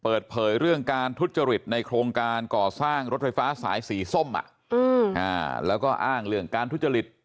เปิดเผยเรื่องการทุจริตในโครงการก่อสร้างรถไฟฟ้าสายสีส้มแล้วก็อ้างเรื่องการทุจริต